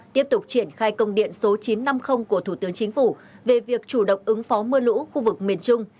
tiếp tục triển khai công điện số chín trăm năm mươi của thủ tướng chính phủ về việc chủ động ứng phó mưa lũ khu vực miền trung